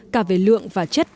cả về lượng và chất